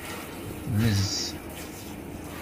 Llez.